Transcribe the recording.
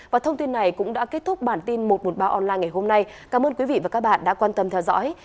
và thông tin này cũng đã kết thúc bản tin một trăm một mươi ba online ngày hôm nay cảm ơn quý vị và các bạn đã quan tâm theo dõi